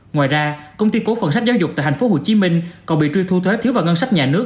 ngoài ra công ty cố phần sách giáo dục tại tp hcm còn bị truy thu thuế thiếu vào ngân sách nhà nước